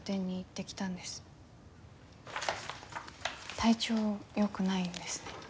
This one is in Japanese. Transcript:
体調よくないんですね。